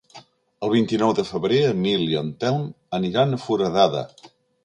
El vint-i-nou de febrer en Nil i en Telm aniran a Foradada.